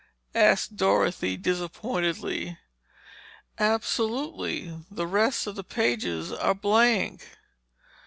asked Dorothy, disappointedly. "Absolutely. The rest of the pages are blank."